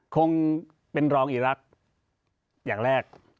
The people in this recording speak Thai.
คงเป็นรองอีรักษ์อย่างแรก